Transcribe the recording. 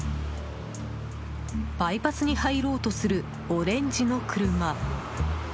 バイパスに入ろうとするオレンジの車。